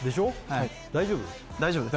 はい大丈夫です